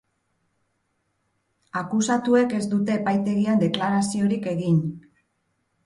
Akusatuek ez dute epaitegian deklaraziorik egin.